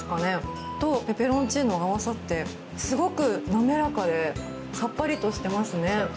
それとペペロンチーノが合わさってすごく滑らかでさっぱりとしてますね！